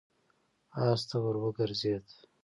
آس ته ور وګرځېد.